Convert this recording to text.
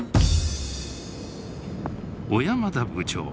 小山田部長